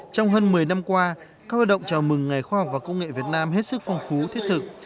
trong hơn một mươi năm qua các hoạt động chào mừng ngày khoa học và công nghệ việt nam hết sức phong phú thiết thực